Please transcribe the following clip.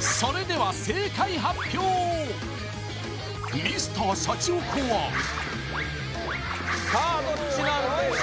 それでは正解発表Ｍｒ．シャチホコはさあどっちなんでしょう？